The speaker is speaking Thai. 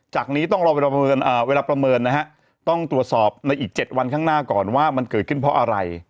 จากนี้ต้องรอเวลาประเมินนะฮะต้องตรวจสอบในอีก๗วันข้างหน้าก่อนว่ามันเกิดขึ้นเพราะอะไร